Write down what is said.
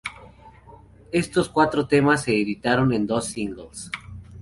Estos cuatro temas se editaron en dos "singles".